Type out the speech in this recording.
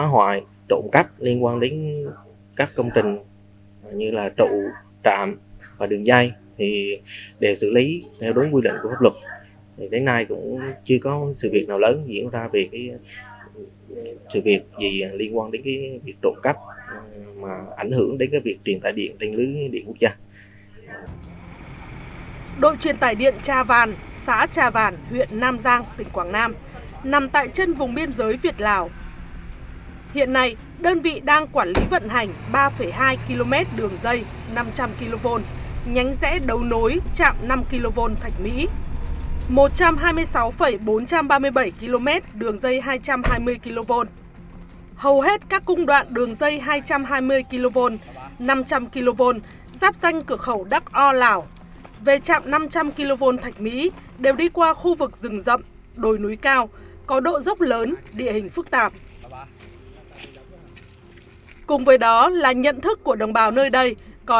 hiện nay đơn vị đang quản lý vận hành ba hai km đường dây hai trăm hai mươi kv nhánh rẽ đầu nối chạm năm hai km đường dây hai trăm hai mươi kv nhánh rẽ đầu nối chạm năm hai km đường dây hai trăm hai mươi kv giáp danh cửa khẩu đắc o lào về chạm năm trăm linh kv thạch mỹ đều đi qua khu vực rừng rậm đồi núi cao có độ dốc lớn địa hình phức tạp